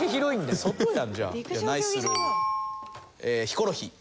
ヒコロヒー。